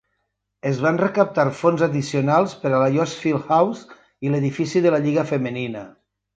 Es van recaptar fons addicionals per a la Yost Field House i l'edifici de la Lliga Femenina.